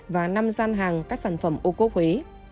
và năm gian hàng các sản phẩm ô cốp huế